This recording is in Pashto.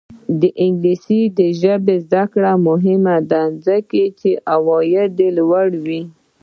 د انګلیسي ژبې زده کړه مهمه ده ځکه چې عاید لوړوي.